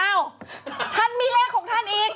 ท่านมีเลขของท่านอีก